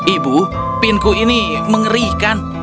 ibu pinku ini mengerikan